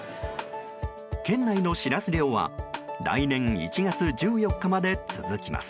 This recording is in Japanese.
県内のシラス漁は来年１月１４日まで続きます。